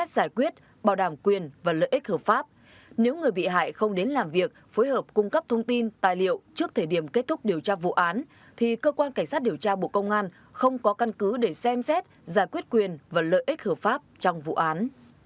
giải quyết bảo đảm quyền và lợi ích hợp pháp nếu người bị hại không đến làm việc phối hợp cung cấp thông tin tài liệu trước thời điểm kết thúc điều tra vụ án thì cơ quan cảnh sát điều tra bộ công an không có căn cứ để xem xét giải quyết quyền và lợi ích hợp pháp trong vụ án